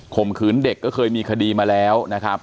ข่มขืนเด็กก็เคยมีคดีมาแล้ว